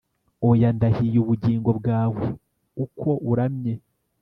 Oya ndahiye ubugingo bwawe uko uramye